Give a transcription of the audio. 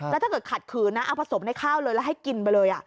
แล้วถ้าเกิดขัดขืนนะเอาผสมในข้าวเลยแล้วให้กินไปเลย